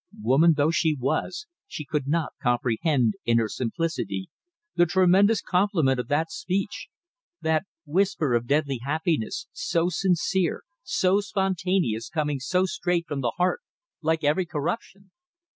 Woman though she was, she could not comprehend, in her simplicity, the tremendous compliment of that speech, that whisper of deadly happiness, so sincere, so spontaneous, coming so straight from the heart like every corruption.